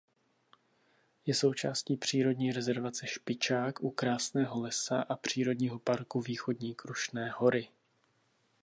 Je součástí přírodní rezervace Špičák u Krásného Lesa a přírodního parku Východní Krušné hory.